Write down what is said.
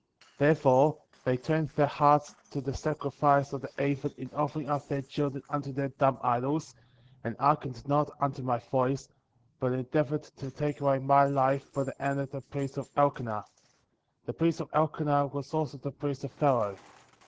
Therefore they turned their hearts to the sacrifice of the heathen in offering up their children unto their dumb idols, and hearkened not unto my voice, but endeavored to take away my life by the hand of the priest of Elkenah. The priest of Elke nah was also the priest of Pharoah.